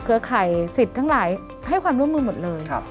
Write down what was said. ข่ายสิทธิ์ทั้งหลายให้ความร่วมมือหมดเลย